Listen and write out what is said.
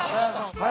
はい。